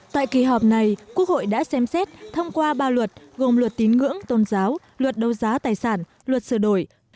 tại kỳ họp này quốc hội đã xem xét thông qua ba luật gồm luật tín ngưỡng tôn giáo luật đấu giá tài sản luật sửa đổi